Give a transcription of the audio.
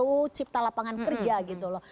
uu cipta lapangan kerja gitu loh